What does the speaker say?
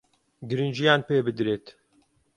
گرنگییان پێ بدرێت